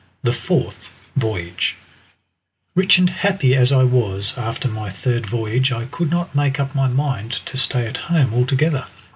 Fourth Voyage Rich and happy as I was after my third voyage, I could not make up my mind to stay at home altogether.